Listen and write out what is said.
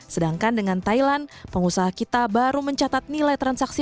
sedangkan dengan thailand pengusaha kita baru mencatat nilai transaksi